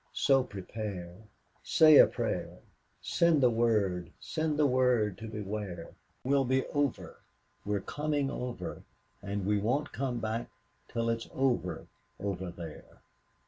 So prepare, say a pray'r, Send the word, send the word to beware, We'll be over, we're coming over, And we won't come back till it's over, over there."